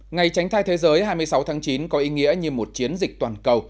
ngày tránh thai thế giới hai mươi sáu tháng chín có ý nghĩa như một chiến dịch toàn cầu